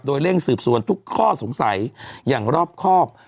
โดยเร่งสืบสวนทุกข้อสงสัยอย่างรอบครอบ